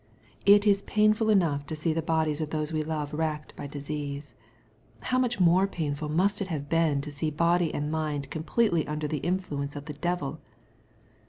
It is painful enough to see the bodies of those we love racked by dis ease. How much more painful must it have been to see body and mind completely under the influence of the devil.